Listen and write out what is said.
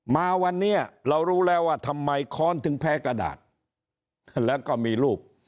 มาวันนี้เรารู้แล้วว่าทำไมค้อนถึงแพ้กระดาษแล้วก็มีรูป